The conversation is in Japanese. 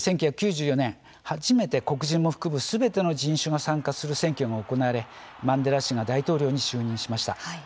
１９９４年、初めて黒人も含むすべての人種が参加する選挙が行われ、マンデラ氏が大統領に就任しました。